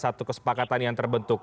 satu kesepakatan yang terbentuk